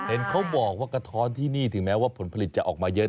เห็นเขาบอกว่ากระท้อนที่นี่ถึงแม้ว่าผลผลิตจะออกมาเยอะ